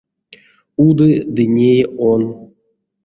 Уды ды неи он.